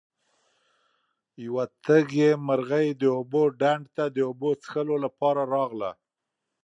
یوه تږې مرغۍ د اوبو ډنډ ته د اوبو څښلو لپاره راغله.